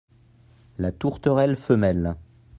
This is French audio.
La tourterelle femelle.